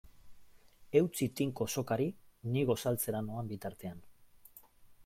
Eutsi tinko sokari ni gosaltzera noan bitartean.